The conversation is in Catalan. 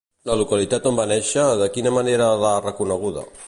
La localitat on va néixer, de quina manera l'ha reconeguda?